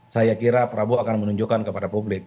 saya kira prabowo akan menunjukkan kepada publik